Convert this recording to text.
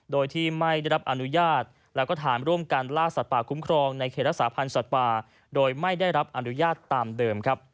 โดยที่ไม่ได้รับอนุญาตแล้วก็ฐานร่วมกันล่าสัตว์ป่าคุ้มครองในเขตรักษาพันธ์สัตว์ป่าโดยไม่ได้รับอนุญาตตามเดิมครับ